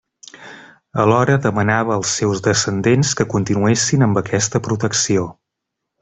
Alhora, demanava als seus descendents que continuessin amb aquesta protecció.